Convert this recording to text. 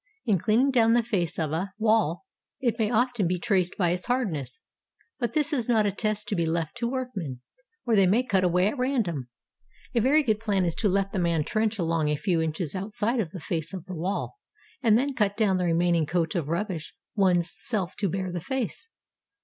In cleaning down the face of a 82 HOW TO EXCAVATE A BURIED TOWN wall, it may often be traced by its hardness, but this is not a test to be left to workmen, or they may cut away at random ; a very good plan is to let the man trench along a few inches outside of the face of the wall, and then cut down the remaining coat of rubbish one's self to bare the face.